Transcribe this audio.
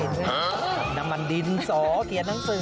นี่มันดินศอเขียนหนังสือ